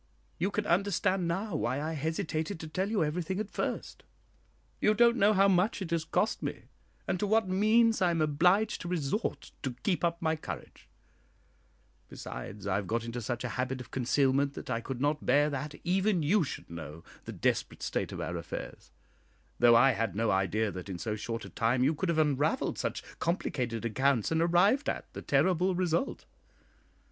You can understand now why I hesitated to tell you everything at first. You don't know how much it has cost me, and to what means I am obliged to resort to keep up my courage; besides, I have got into such a habit of concealment that I could not bear that even you should know the desperate state of our affairs, though I had no idea that in so short a time you could have unravelled such complicated accounts and arrived at the terrible result.